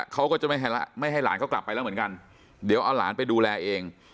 เขาก็จะไม่ให้หลานเขากลับไปแล้วเหมือนกันเดี๋ยวเอาหลานไปดูแลเอง